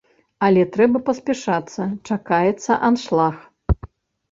Але трэба паспяшацца, чакаецца аншлаг.